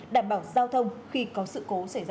đảm bảo giao thông khi có sự cố xảy ra